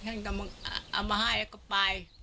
เอามาให้ก็ไป